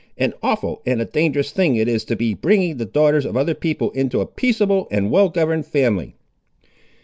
An awful and a dangerous thing it is to be bringing the daughters of other people into a peaceable and well governed family!"